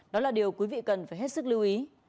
đó là điều quý vị cần phải hết sức lưu ý